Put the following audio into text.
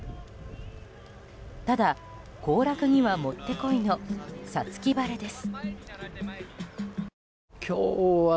ただ、行楽にはもってこいの五月晴れです。